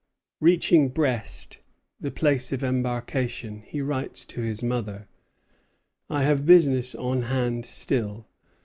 Reaching Brest, the place of embarkation, he writes to his mother: "I have business on hand still.